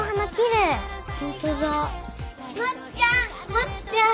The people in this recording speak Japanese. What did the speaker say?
まちちゃん！